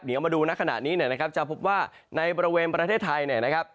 เดี๋ยวมาดูนักขณะนี้เนี่ยนะครับจะพบว่าในบริเวณประเทศไทยเนี่ยนะครับ